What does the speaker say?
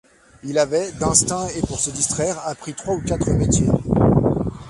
Il avait, d’instinct et pour se distraire, appris trois ou quatre métiers.